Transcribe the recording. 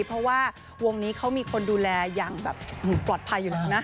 เพราะว่าวงนี้เขามีคนดูแลอย่างแบบปลอดภัยอยู่แล้วนะ